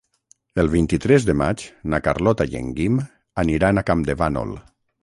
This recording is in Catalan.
El vint-i-tres de maig na Carlota i en Guim aniran a Campdevànol.